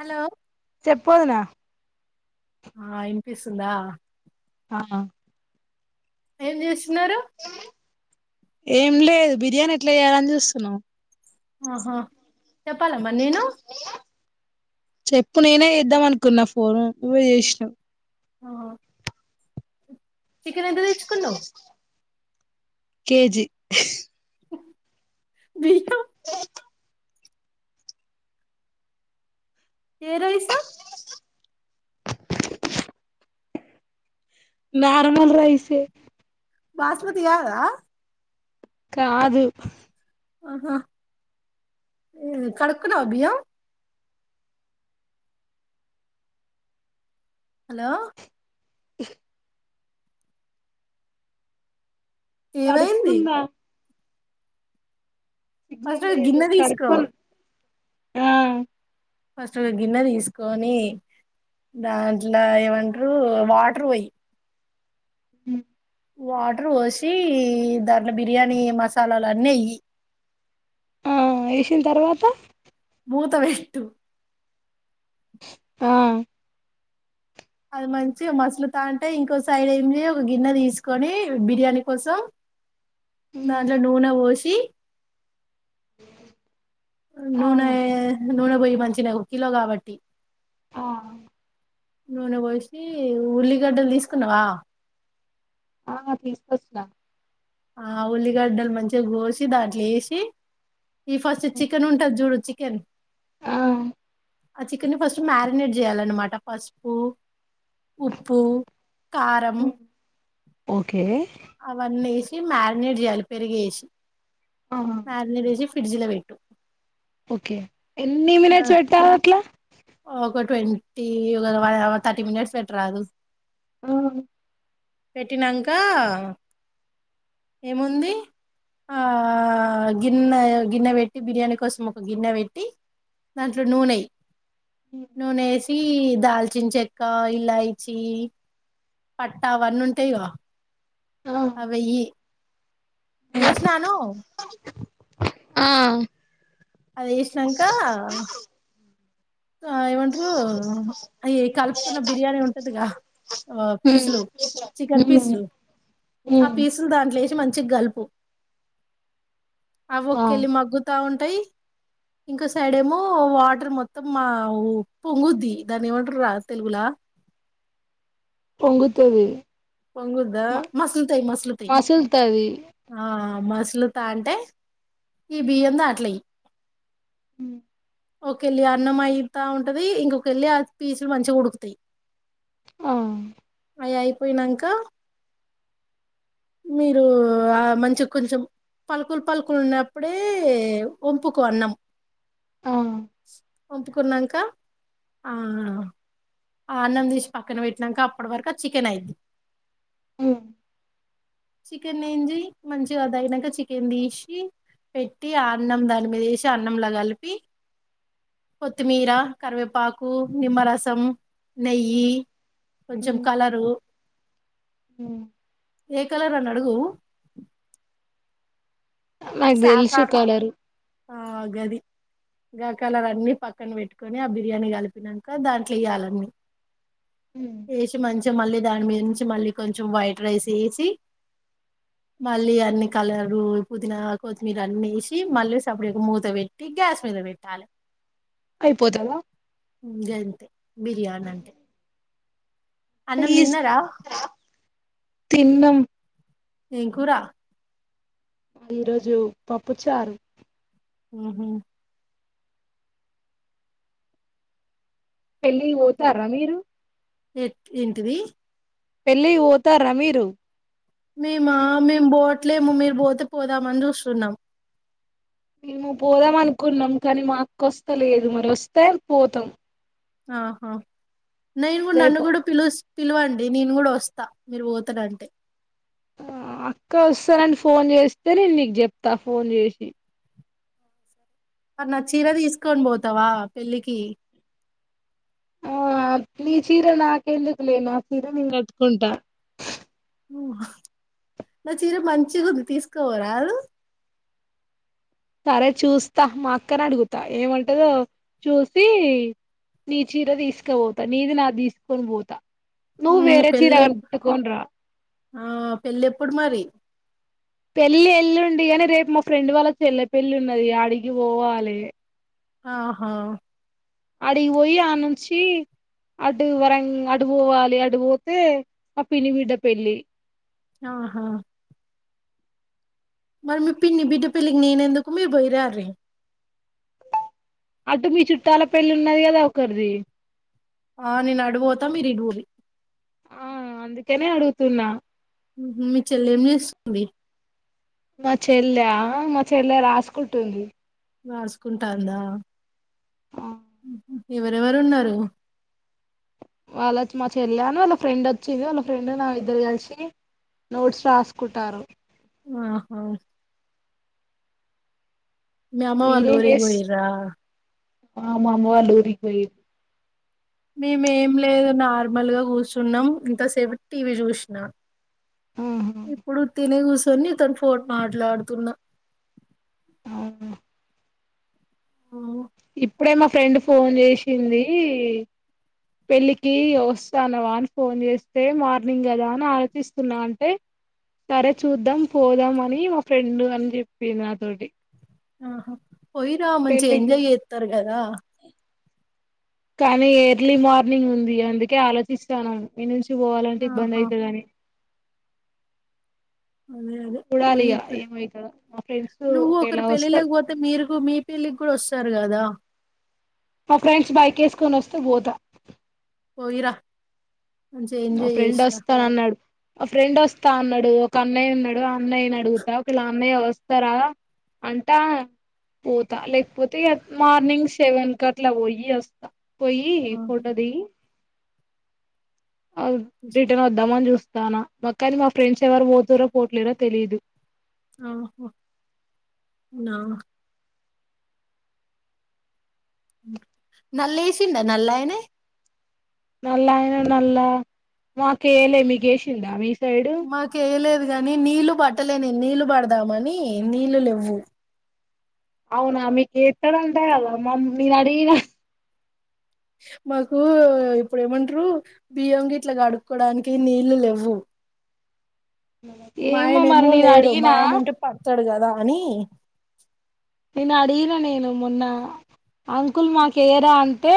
Hello చెప్పు వొదినా. ఆ ఇంపిస్ ఉందా. అవునా ఏం చేస్ స్తున్నారు. ఏం లేదు బిర్యానీ ఎట్లా చేయాలని చూస్తున్నాం. ఆహా చెప్పాలమరి నేను చెప్పు నేనే చేద్దాం అనుకున్నా ఫోను నువ్వే చేసినవు. ఆ చికెన్ ఎంత తెచ్చుకున్నవ్. కేెజీ హ్ బియ్యం ఎరైస్ నార్మల్ రైసే బాస్మతి కాదా. కాదు. ఆహా కడకున్నవా బియ్యం. హలో ఏమైంది. కడుక్కున్నా ఫస్ట్ సిగ్నల్ లేదు గిన్నె తీసుకో కడుక్కున్ ఆ ఫస్ట్ ఒక గిన్నె తీసుకొని దాంట్లో ఏమంటరు వాటర్ పోయి. ఉ వాటర్ పోసి దాంట్లో బిర్యానీ మసాలాలు అన్నీ యెయ్యి ఆ వేసిన తర్వాత మూత పెట్టు ఆ అది మంచి మసలు తాంటే ఇంకో సైడ్ ఏమి ఒక గిన్నె తీసుకొని బిర్యానీ కోసం దంట్లో నూనె పోస్ ఆ నూన నూనె పొయ్యి మంచినగు కిలో కాబట్టి ఆ నూనె పోసి ఉల్లిగడ్డలు తీసుకున్నావా ఆ తీసుకొచ్చిన ఆ ఉల్లిగడ్డలు మంచిగా గోసి దాంట్లో వసి ఈ ఫస్ట్ చికెన్ ఉంటది చూడు చ కన్ ఆ ఆ చికెన్ ఫస్ట్ మ్యారినేట్ చేయాలన్నమాట పస్పు ఉప్పుూ కారంం ఓకే అవన్నీ ఎస్ మ్యారినేట్ జేయ్యాలి పెరిగేసి ఆ మ్యారినేట్ చేసి ఫ్రిడ్జ లో వెట్టు ఓకే ఎన్ని మనిట్స్ పెట్టారు అట్లా ఒక ట్వంటీ ఒక వన్ అవర్ థర్టీ మినిట్స్ పెట్ట రాదు ఆ పెట్టినంకా ఏముంది ఆ గిన్నె గిన్నె పెట్టి బిర్యానీ కోసం ఒక గిన్నె పెట్టి దాంట్లో నూనే నూనేసి దాల్చిన చెక్క ఇలాయిచి పట్టా వన్నంటయవా ఆ అవెయ్యి ఏసినాను ఆ అది ఇసినాక ఆ ఏమంటారు అ కలుపుకున్న బిర్యానీ ఉంటదిగా ఉమ్ పీసులు చికెన్ ఉమ్ పీసులు ఆ ఉమ్ పీసులు దాంట్లోచి మంచి చ్చి గల్పు ఆ అకలి మగ్గుతా ఉంట తై ఇంకో సైడ్ ఏమో వాటర్ మొత్తం మా పొంగుద్ది దాన్ని ఏమంటారు రా తెలుగులా పొంగుతది పొంగుద్దా మ మసలుతయి మసలుతయి మసులుతది ఆ అమాసులు తా అంటే ఈ బియ్యంతో అట్ల్య హ ఒక వెళ్ళి అన్నం అయితా ఉంటది ఇంకొక ఎల్లి ఆ పీసులు మంచిగా ఉడుకుతాయి ఆ ఏఐ పోయినాక మీరు మంచిగా కొంచెం పలుకులు పలుకులు ఉన్నప్పుడే వొంపుకొ అన్నం ఆ పంపుకున్నాక అన్నం తీసి పక్కన పెట్టినాక అప్పటి వరకు చికెన్ అయింది అ చికెన్ేంచి మంచిగా తగినక చికెన్ తీసి పెట్టి అన్నం దాని మీద వేసి అన్నంలా కలిపి కొత్తిమీర కరివేపాకు నిమ్మరసం నెయ్యి కొంచెం కలరు అ ఏ కలరాని అడుగు నాకు తెలుసు సాఫ్రాన్ కలర్ కలరు ఆ గది కలర్ అన్ని పక్కన పెట్టుకొని ఆ బిర్యానీ కలిపినాక దాంట్లో ఎయ్యాలన్నీ ఏష మంచి మళ్ళీ దాని మీద నుంచి మళ్ళీ కొంచెం వైట్ రైస్ వేసి మళ్ళీ అన్ని కలరు పునా కొత్తిమీర అన్నేసి మళ్ళీ సప్పుడయ ఒక మూత పెట్టి గ్యాస్ మీద పెట్టాలి అయిపోతావా ంతే బిర్యానీ అంటే అన్నం ప్లీజ్ తిన్నారా తిన్నం ఏం కూరా ఈరోజు పప్పుచారు హ పెళ్ళి పోతారా మీరు ఎట్ ఏంటిది పెళ్ళి ఓత రమీరు మ మా మేము బోట్ అట్లేము మీరు పోతే పోదామని చూస్తున్నాం మేము పోదాం అనుకున్నాం కానీ మాకుొస్తా లేదు మరి వస్తే పోతాం ఆహా నేను కూడా నన్ను రేపు కూడా పిలుస్తా పిలువండి నేను కూడా వస్తా మీరు పోతడంటే ఆ అక్క వస్తానని ఫోన్ చేస్తే నేను నీకు చెప్తా ఫోన్ చేసి మరి నా చీర తీసుకొని పోతావా పెళ్ళికి ఆ నీ చీర నాకెందుకు లే నా ఆ చీర నేను కట్కుంటా నా చీర మంచి ఉంది తీసుకోవరా సరే చూస్తా మా అక్కన అడుగుతా ఏమంటదో చూసి నీ చీర తీసుక పోతా నీది నా తీసుకొని పోతా నువ ఉమ్, వేర చీర పెళ్ళి కట్టుకొని రా ఆ పెళ్ళ ఎప్పుడు మరి పెళ్లి ఎల్లుండి కానీ రేపు మా ఫ్రెండ్ వాళ్ళ చెల్ల పెళ్లిి ఉన్నది అడిగి పోవాలి ఆహా అడిగిపోయి ఆ నుంచి అడు వరం అడుపోవాలి అడిపోతే ఆ పిని బిడ్డ పెళ్లిి ఆహా మరి మీ పిన్ని బిడ్డ పిల్లికి నేన ఎందుకు మీరు పోయి రారీ అటు మీ చుట్టాల పెళ్లిి ఉన్నది కదా ఒకరిది ఆ నేను అడు పోతా మీరు ఇడుగురి ఆ అందుకనే అడుగుతున్నా మీ చల్లేంనిస్తుంది మా చెల్లె మా చెల్లె రాసుకుంటుంది రాసుకుంటాందా మ్మ్ హ్మ్ ఎవరెవరున్నారు వాళ్ళచ్చ మా చెల్ళని వాళ్ళ ఫ్రెండ్ వచ్చింది వాళ్ళ ఫ్రెండ్ నా ఇద్దరు కలిసి నోట్స్ రాసుకుంటారు ఆహా మీ అమ్మ వాళ్లు ఊరిగోయరా ఆమమ్ అలూరికి పోయది మేముేం లేదు నార్మల్ గా కూర్చున్నాం ఇంతసేపు టీవీ చూసిన ఆహా ఇప్పుడు తినగు సున్ని తన్ ఫోడ్ మాట్లాడుతున్న మ్మ్ ఆవు ఇప్పుడే మా ఫ్రెండ్ ఫోన్ చేసింది పెళ్ళికి వస్తానవా అని ఫోన్ చేస్తే మార్నింగ్ కదా అని ఆలోచిస్తున్నా అంటే సరే చూద్దాం పోదాం అని మా ఫ్రెండ్ అని చెప్పింది నాతోటి ఆహా పోయి రామంచి పెళ్ళికి ఎజయ్ చేస్తారు కదా దా కానీ ఎర్లీ మార్నింగ్ ఉంది అందుకే ఆలోచిస్తాను నేను ఇి పోవాలంటే ఇబ్బంది ఆహా అయితది అని అదే అదే చూడాలి పోయి ఇగ ఏమైతదో మా ఫ్రెండ్స్ నువ్వు ఒకరు ఒకేలా వస్తే పెళ్ళిళ్ళక పోతే మీరు మీ పెళ్ళికి కూడా వస్త కాదా మా ఫ్రెండ్స్ బైక్ వేసుకొని వస్తే పోతా పోయిరా మంచిగా మా ఎంజాయ్ ఫ్రెండ్ చేసిరా వస్తానన్నాడు ఒక ఫ్రెండ్ వస్తా అన్నాడు ఒక అన్నయ్య ఉన్నాడు అన్నాయినీ అడుగుతా ఒకవేళ ఆ అన్నయ్య వాస్ వస్తారా అంటా పోతా లేకపోతే మార్నింగ్ సెవెన్ క అట్లా పోయి వస్తా పోయి ఫోటో దిగి రిటర్న్ వద్దామని చూస్త నా మా కాని మా ఫ్రెండ్స్ ఎవరు పోతుర పోట్లేరా తెలీదు ఆహన్నా నల్ ఏసింట నల్యనే నల్ల ఆయన నల్ల మాకెయ్యాలె మీకేసింద మీ సైడు మాకలేది కానీ నీళ్ళలు బట్టలేని నీళ్ళలు పడదామని నీళ్ళలు ఇవ్వు అవునా మీకు ఎస్తడ ఉంటా కదామ్మా నేను అడిగిన మాకు ఇప్పుడు ఏమంటారు బియ్యం గ ఇట్లా కడుక్కోడానికి నీళ్ళు లేవవు మా ఆయనే మరి ఏమో నేను లేడు మా అడిగినా ఆయన ఉంటే పతాడు కదా అని నేను అడిగిన నేను మొన్న అంకుల్ మాకేరా అంటే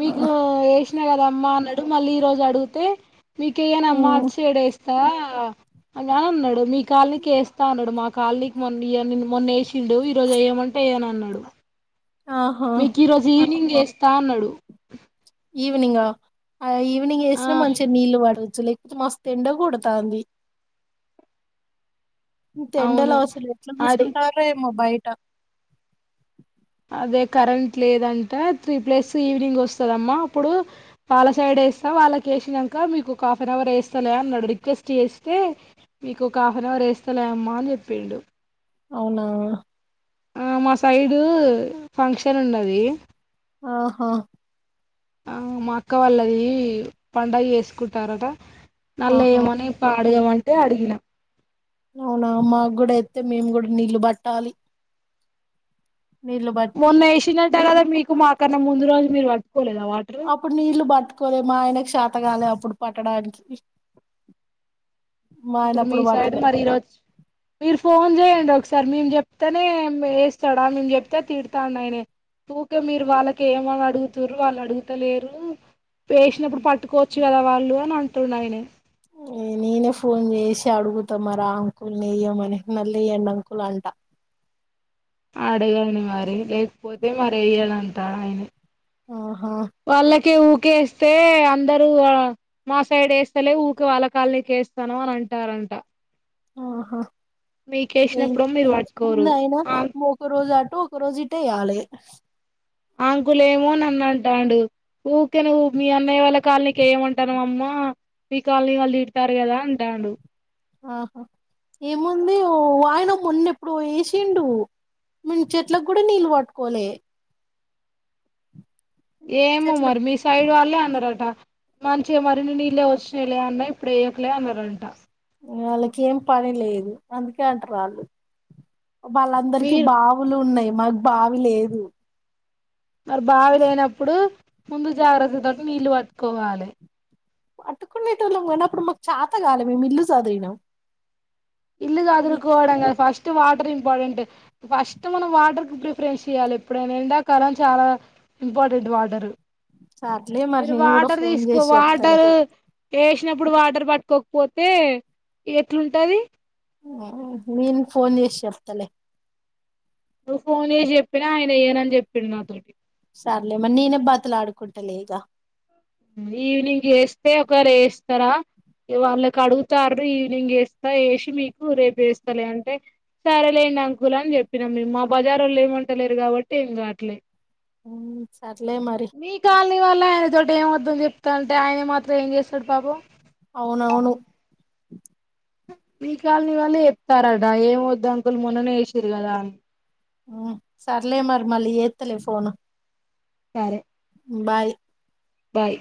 మీకు ఏ కదమ్మా అన్నాడు మళ్ళీ ఈ రోజు అడిగితే మీకి య్యనమ్మా మ్ చెడేస్తా అ అన్నాడు మీ కాళకిస్తా అన్నాడు మాకు కలి మ మొష తిండు ఈ రోజు అయ్యమంటే అని అన్నాడు ఆహా మీకు రోజు ఈవినింగ్ స్నడు ఈవనింగ్ ఆ ఈవినింగ్ ఆ వేసినా మంచిగా నీళ్ళు పడవచ్చు అసలు లే ఎక్కుపోతే మస్తు ఎండ కొడతుంది తేండలో అవును అసలు ఎట్లా అడి చూస్తుంటారో‌ ఎమాో బయట కుట్ట అదే కరెంట్ లేదంట త్రీ ప్లస్ ఈవినింగ్ వస్తుందమ్మా అప్పుడు వాళ్ళ సైడ్ వేస్తా వాళ్ళక వేసినాక మీకు ఒక హాఫ్ అన్ అవర్ వేస్తలే అన్నాడు రిక్వెస్ట్ చేస్తే మీకు ఒక హాఫ్ అన్ అవర్ వేస్తలే అమ్మా అని చెప్పిండు అవునా ఆ మా సైడు ఫంక్షన్ ఉన్నది ఆహా ఆ మా అక్క వాళ్ళది పడుగ చేేసుకుంటారట నల్ల ఆహా ఏమని పాడగమంటే ట్టే అడిగిన అవునా మాకుడ చేప్తే మేము కూడా నీళ్లు బట్టాలి నీలుబట్టి ంట కదా మీకు మాకన్నముందు రోజు మీరు పట్టుకోలేదా వాటర్ అప్పుడు నీళ్ళ బట్టుకోద మాయనా ఎత్తగాలి అప్పుడు పట్టడానికి మా ఆయన ఇప్పుడు మీ అప్పుడు సైడ్ పట్టలే మర ఈ రచ్చ మీరు ఫోన్ చేయండి ఒకసారి సార్ మేము చెప్తేనే వేస్తాడా మేము చెప్తే తిడతాండి ఆయన ఓకే మీరు వాళ్ళకి ఏమని అడుగుతుారు వాళ్ళు అడుగుతలేరు పేసినప్పుడు పట్టుకోవచ్చు కదా వాళ్ళు లేనంటుండు అయన నేనే ఫోన్ చేసి అడుగుతా మరి ఆ అంకుల్ని ల వెయ్యమని మళ్లీ వెయ్యండి అంకుల్ అంట, అడగండి మరి లేకపోతే, అదే మరి వేయ్యాడంట ఆయనే ఆహా ఊకే వాళ్ళకే ఊకేస్తే అందరు మా సైడ్ వేస్తేలే ఊరకే వాళ్ళ కాలనీకి వేస్తాను అని అంటారంట ఆహా ఏ మీకేసినప్పుడేమో మీరు పట్టుకోరు ముందైనా ఆమె ఒక రోజు అటు ఒక రోజ ఇటు ఎయ్యాలే అంకులే ఏమో నన్ను అంటాడు ఊరికే మీ అన్నయ్య వాళ్ళ కాలనీకి ఏయమంటాను అమ్మ మీ కాలనీ వాళ్ళు తిడతారు కదా అంటాడు, ఆహా ఏముంది వాయిన మొన్న ఎప్పుడు వేసిండు మేము చెట్లలకు కూడా నీళ్ళు పట్టుకోలే, ఏమొ చెట్ల మరి మీ సైడ్ వాళ్ళ, లే అన్నారట మంచిగా మరిన్ని నీళ్ళే వచ్చినలే అన్న ఇప్పుడు వేయకలే అన్నారంట, వాళ్ళకి ఏం పని లేదు అందుకే అంటారు వాళ్ళు, వాళ్ళందరికి మీరు బావులు ఉన్నాయి, మాకు బావి లేదు మరి బావిలేయినప్పుడు, ముందు జాగ్రత్తతోటి నీళ్ళు పట్టుకోవాలే పట్టుకునేటోళ్ళం కాని అప్పుడు మాకు చాతగాలే మేము ఇల్లు సదిరినాం, ఇల్లు సదురుకోవడం కాదు first, first water important first మనం వాటర్ కి ప్రిఫరెన్స్ ఇయ్యాలి ఎప్పుడైనా ఎండాకాలం చాలా ఇంపార్టెంట్ వాటర్, సార్లే మరి మీరు నేను కూడా ఫోన్ తీసుకో చేసి చెప్తలే వాటర్ వేసినప్పుడు వాటర్ పట్టుకోకపోతే ఎట్లుంటది నేను ఫోన్ చేసి చెప్తలే నువ్వు ఫోన్ చేసి చెప్పినా ఆయన ఏయను అని చెప్పి, చెప్పిండు మా తోటి సర్లే నేనే బాతులు ఆడుకుంటాలే ఇగ ఈవినింగ్ వేస్తే ఒకరు వేస్తారా వాళ్ళకి అడుగుతారు ఈవినింగ్ వేస్తా వేసి మీకు రేపు వేస్తలే అంటే సరేలేండి అంకుల్ అని చెప్పినాం మీరు మా బజార్ వాళ్ళు ఏమంటలేరు కాబట్టి ఏం కావట్లే, సర్లే మరి వాళ్లే ఆయన తోటి వద్దు చెప్తానంటే ఆయన మాత్రం ఏం చేశాడు పాపం అవునవును మీ కాలనీ వాళ్ళ చెస్తారట ఏమవద్దు అంకుల్ మొన్ననే ఎసిరు కదా అని హు సర్లే మరి మళ్ళీ ఏతులే ఫోన్ ను సరే బాయ్ బాయ్